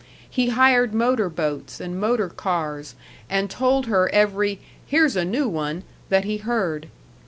He hired motor boats and motor cars and told her every "here's a new one," that he heard.